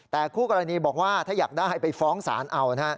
แต่คู่กรณีบอกว่าถ้าอยากได้ไปฟ้องศาลเอานะฮะ